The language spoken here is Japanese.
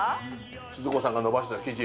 スズ子さんがのばした生地。